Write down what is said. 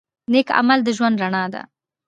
نیک عمل د ژوند رڼا ده.